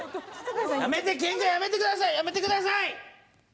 やめてケンカやめてくださいやめてください！